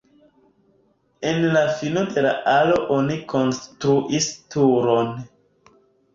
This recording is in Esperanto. En fino de la alo oni konstruis turon.